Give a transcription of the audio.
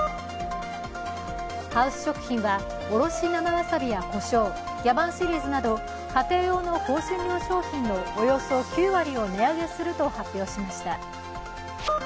ハウス食品はおろし生わさびやコショー、ギャバンシリーズなど家庭用の香辛料商品のおよそ９割を値上げすると発表しました。